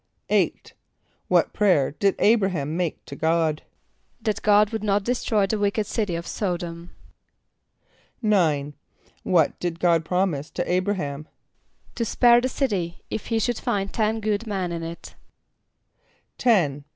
= =8.= What prayer did [=A]´br[)a] h[)a]m make to God? =That God would not destroy the wicked city of S[)o]d´om.= =9.= What did God promise to [=A]´br[)a] h[)a]m? =To spare the city, if he should find ten good men in it.= =10.